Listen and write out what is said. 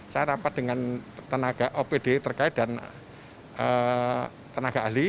saya rapat dengan tenaga opd terkait dan tenaga ahli